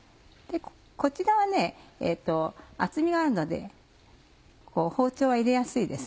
こちらは厚みがあるので包丁は入れやすいですね。